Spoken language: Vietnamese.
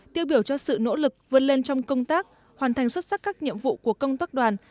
tiêu biểu cho sự nỗ lực vươn lên trong công tác hoàn thành xuất sắc các nhiệm vụ của công tác đoàn